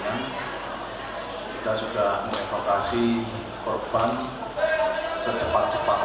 kita sudah mengevokasi perubahan secepat cepatnya